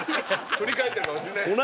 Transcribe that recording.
振り返ってるかもしれないですよ。